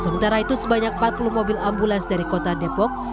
sementara itu sebanyak empat puluh mobil ambulans dari kota depok